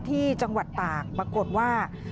ที่จังหวัดตากปรากฏว่า